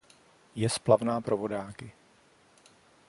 Je splavná pro vodáky.